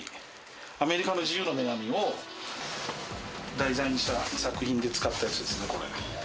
アメリカの自由の女神を題材にした作品で使ったやつですね、これ。